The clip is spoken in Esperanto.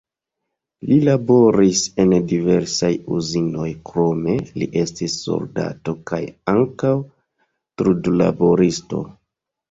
Li laboris en diversaj uzinoj, krome li estis soldato kaj ankaŭ trudlaboristo.